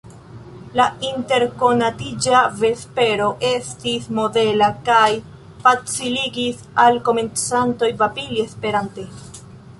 La interkonatiĝa vespero estis modela, kaj faciligis al komencantoj babili Esperante.